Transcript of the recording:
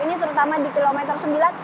ini terutama di kilometer sembilan